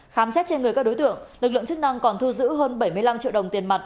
khám xét trên người các đối tượng lực lượng chức năng còn thu giữ hơn bảy mươi năm triệu đồng tiền mặt